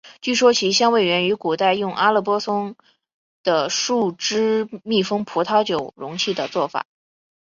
据说其香味源于古代用阿勒颇松的树脂密封葡萄酒容器的做法。